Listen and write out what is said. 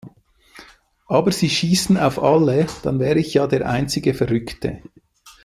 Aber sie schießen auf alle, dann wäre ich ja der einzige Verrückte.